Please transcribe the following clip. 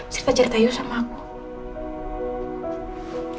cerita ceritanya sama aku